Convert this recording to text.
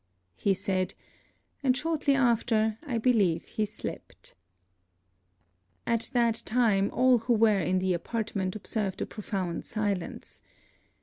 he said; and shortly after, I believe he slept. At that time all who were in the apartment observed a profound silence.